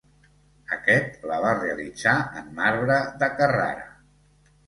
Aquest la va realitzar en marbre de Carrara.